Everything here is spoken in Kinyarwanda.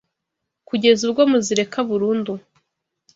kugeza ubwo muzireka burundu